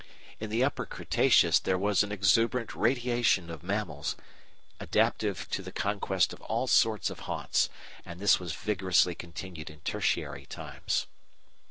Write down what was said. In the Upper Cretaceous there was an exuberant "radiation" of mammals, adaptive to the conquest of all sorts of haunts, and this was vigorously continued in Tertiary times.